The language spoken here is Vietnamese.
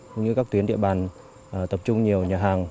cũng như các tuyến địa bàn tập trung nhiều nhà hàng